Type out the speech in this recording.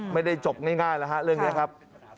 ไม่ได้จบง่ายแล้วฮะเรื่องนี้ครับ